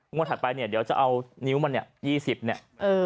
งวดถัดไปเดี๋ยวจะเอานิ้วมัน๒๐เนี่ย